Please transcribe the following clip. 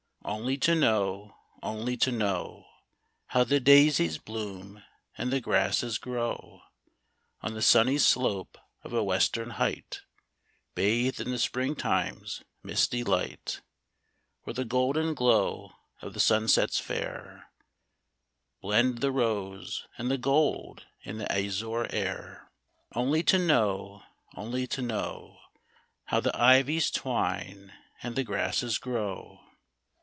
[INLY to know, only to know ilM! How the daisies bloom and the grasses grow On the sunny slope of a Western height, Bathed in the springtime's misty light ; Where the golden glow of the sunsets fair Blend the rose and the gold in the azure air ; Only to know, only to know How the ivies twine and the grasses grow